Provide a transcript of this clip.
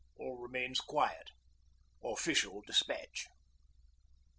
All remains quiet._' OFFICIAL DESPATCH.